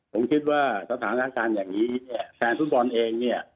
ผมคิดว่าสถานการณ์อย่างนี้เนี่ยแฟนฟุตบอลเองเนี่ย